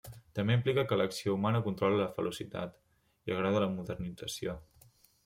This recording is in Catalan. També implica que l'acció humana controla la velocitat i el grau de la modernització.